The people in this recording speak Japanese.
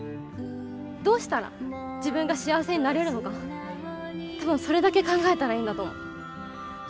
どうしたら自分が幸せになれるのか多分それだけ考えたらいいんだと思う。